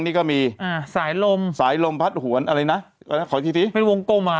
นี่ก็มีอ่าสายลมสายลมพัดหวนอะไรนะขออีกทีสิเป็นวงกลมอ่ะ